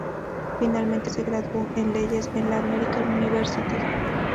Finalmente se graduó en leyes en la American University.